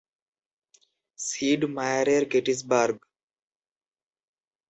Seed মায়ারের Gettysburg!